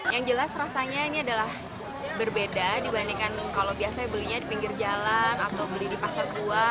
yang jelas rasanya ini adalah berbeda dibandingkan kalau biasanya belinya di pinggir jalan atau beli di pasar buah